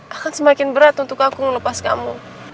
akan semakin berat untuk aku melepas kamu